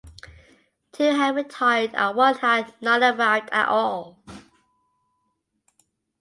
Two had retired and one had not arrived at all.